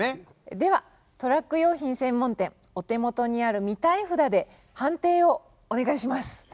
では「トラック用品専門店」お手元にある「見たい札」で判定をお願いします。